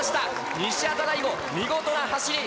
西畑大吾、見事な走り。